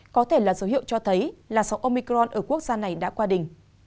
có thể là dấu hiệu cho thấy làn sóng omicron ở quốc gia này đã qua đỉnh